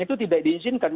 itu tidak diizinkan